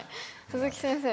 鈴木先生